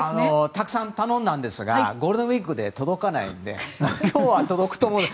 たくさん頼んだんですがゴールデンウィークで届かないので今日は届くと思うので。